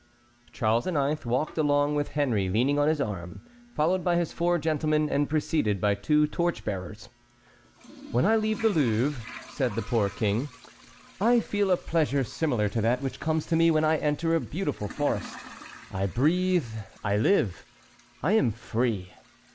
Charles IX. walked along with Henry leaning on his arm, followed by his four gentlemen and preceded by two torch bearers. "When I leave the Louvre," said the poor King, "I feel a pleasure similar to that which comes to me when I enter a beautiful forest. I breathe, I live, I am free."